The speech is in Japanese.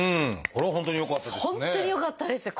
これは本当によかったですね。